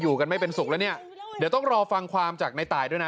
กันไม่เป็นสุขแล้วเนี่ยเดี๋ยวต้องรอฟังความจากในตายด้วยนะ